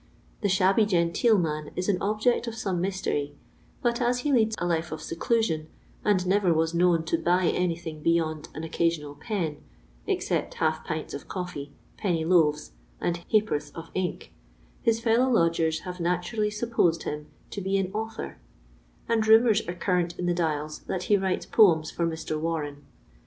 The shabby genteel man is an object of some mystery, but vl^ he leads a life of seclusion, and never was known to buy any tliing beyond an occasional pen, except half pints of coffee, penny loaves, and ha'porths of ink, his fellow lodgers very naturally suppose him to bo an author; and rumours are current in the Dial«, that he writes poems for Mr. Warren.